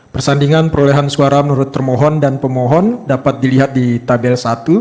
persandingan perolehan suara menurut termohon dan pemohon dapat dilihat di tabel satu